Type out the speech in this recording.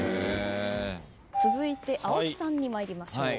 続いて青木さんに参りましょう。